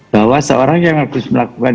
bahwa seorang yang harus melakukan